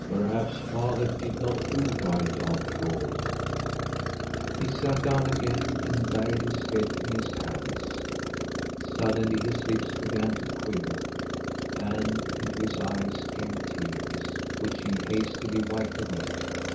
Perhaps father did not do right after all?" he thought. He sat down again and buried his head in his hands. Suddenly his lips began to quiver and into his eyes came tears, which he hastily wiped away.